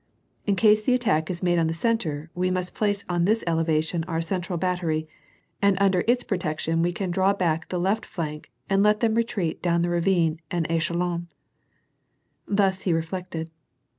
In case the attack is made on the . centre, we must place on this elevation our central bat tery, and under its protection we can draw back the left flank, and let them retreat down the ravine en echelon^ Thus he reflected.